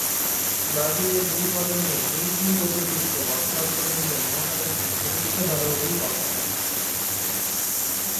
ব্রাজিলের দুই প্রজন্মের দুই কিংবদন্তির তো বর্তমান প্রজন্মের মহাতারকাকে শুভেচ্ছা জানানোরই কথা।